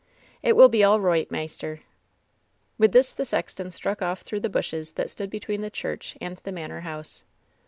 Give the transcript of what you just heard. It will be all roi^ht, maister/' With this the sexton struck off through the bushes that stood between the church and the manor house.